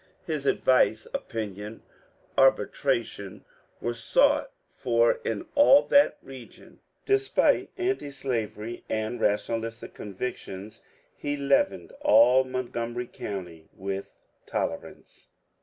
His advice, opinion, arbitration, were sought for in all that region. Despite antislavery and rationalistic convictions, he leavened all Montgomery County with tolerance.